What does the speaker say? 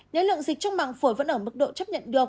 nếu lượng dịch trong mạng phổi vẫn ở mức độ chấp nhận được